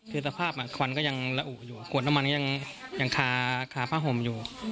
คือสภาพควันก็ยังระอุอยู่ขวดน้ำมันก็ยังคาผ้าห่มอยู่